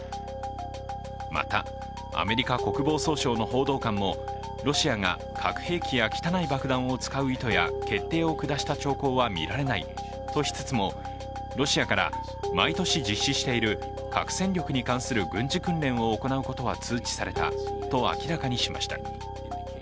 また、アメリカ国防総省の報道官もロシアが核兵器や汚い爆弾を使う意図や決定を下した兆候はみられないとしつつもロシアから毎年実施している核戦力に関する軍事訓練を行うことは通知されたと明らかにしました。